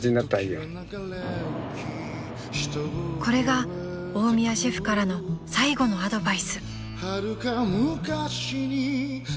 ［これが大宮シェフからの最後のアドバイス］